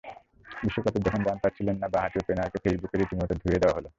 বিশ্বকাপে যখন রান পাচ্ছিলেন না, বাঁহাতি ওপেনারকে ফেসবুকে রীতিমতো ধুয়ে দেওয়া হলো।